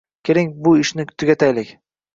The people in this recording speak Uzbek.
Keling, bu ishni tugataylik!